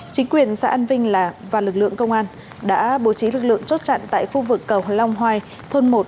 chính quyền xã an vinh là và lực lượng công an đã bố trí lực lượng chốt chặn tại khu vực cầu long hoài thôn một